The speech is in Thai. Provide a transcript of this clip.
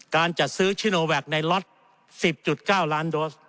การจัดซื้อชิโนแวคในล็อต๑๐๙ล้านโดส